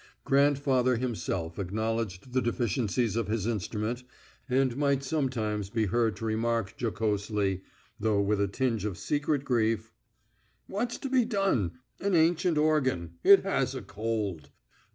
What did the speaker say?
Grandfather himself acknowledged the deficiencies of his instrument, and might sometimes be heard to remark jocosely, though with a tinge of secret grief: "What's to be done?... An ancient organ ... it has a cold....